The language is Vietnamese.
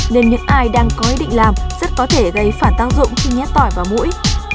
nên những ai đang có ý định làm rất có thể gây phản tác dụng khi nhét tỏi và mũi